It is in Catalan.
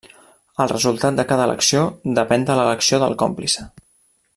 El resultat de cada elecció depèn de l'elecció del còmplice.